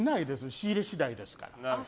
仕入れ次第ですから。